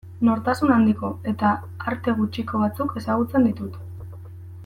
Nortasun handiko eta arte gutxiko batzuk ezagutzen ditut.